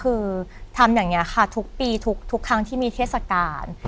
คือทำอย่างนี้ค่ะทุกปีทุกครั้งที่มีเทศกาล